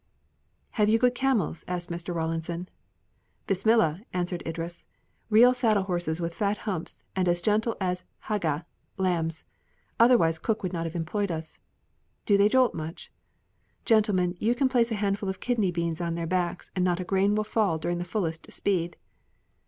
"Have you good camels?" asked Mr. Rawlinson. "Bismillah!" answered Idris; "real saddle horses with fat humps and as gentle as ha' ga (lambs). Otherwise Cook would not have employed us." "Do they jolt much?" "Gentlemen, you can place a handful of kidney beans on their backs and not a grain will fall during the fullest speed."